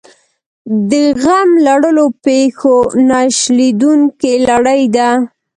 د غم لړلو پېښو نه شلېدونکې لړۍ ده.